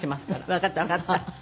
わかったわかった。